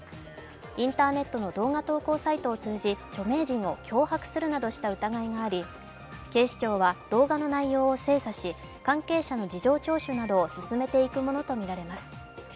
インターネットの動画投稿サイトを通じ、著名人を脅迫するなどした疑いがあり、警視庁は動画の内容を精査し関係者の事情聴取などを進めていくものとみられます。